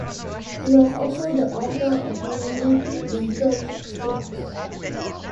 He was also the author of many legal textbooks.